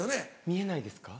見えないですか？